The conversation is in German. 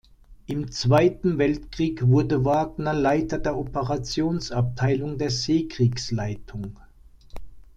Im Zweiten Weltkrieg wurde Wagner Leiter der Operationsabteilung der Seekriegsleitung.